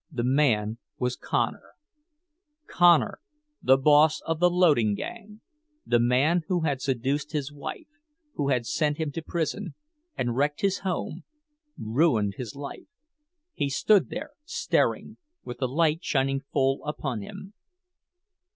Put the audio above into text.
The man was Connor! Connor, the boss of the loading gang! The man who had seduced his wife—who had sent him to prison, and wrecked his home, ruined his life! He stood there, staring, with the light shining full upon him.